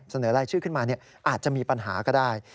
เสนอรายชื่อขึ้นมาอาจจะมีปัญหาก็ได้